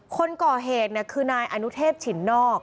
คนก่อเหตุคือนายอนุเทพฉินนอก